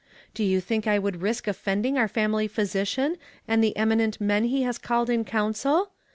Do you think I would risk offending our family physician and the eminent men he has called in council?